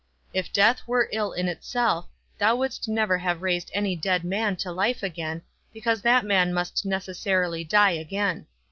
If death were ill in itself, thou wouldst never have raised any dead man to life again, because that man must necessarily die again.